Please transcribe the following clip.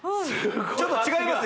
ちょっと違います？